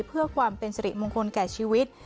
เพื่อความเป็นสิริมงคลแก่ชีวิต